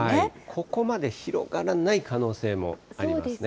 ここまで広がらない可能性もありますね。